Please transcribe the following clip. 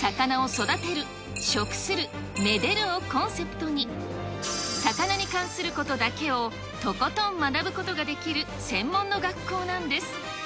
魚を育てる、食する、めでるをコンセプトに、魚に関することだけをとことん学ぶことができる専門の学校なんです。